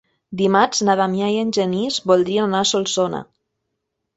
Dimarts na Damià i en Genís voldrien anar a Solsona.